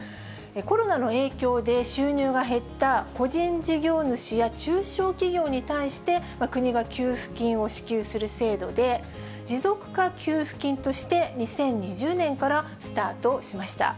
コロナの影響で収入が減った個人事業主や中小企業に対して、国が給付金を支給する制度で、持続化給付金として２０２０年からスタートしました。